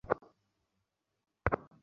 কিন্তু এমন ভান করে যেন কিছুই জানে না।